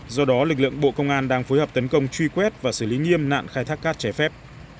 do đó lực lượng bộ công an đang phối hợp tấn công truy quét và xử lý nghiêm nạn khai thác cát trái phép